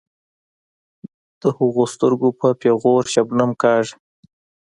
د هغو سترګې په پیغور شبنم کاږي.